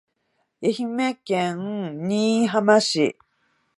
愛媛県新居浜市